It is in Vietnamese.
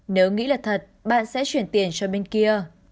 nếu nghĩ là thật bạn sẽ chuyển tiền cho bên kia